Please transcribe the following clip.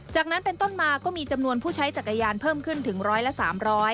จากนั้นเป็นต้นมาก็มีจำนวนผู้ใช้จักรยานเพิ่มขึ้นถึงร้อยละสามร้อย